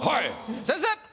先生！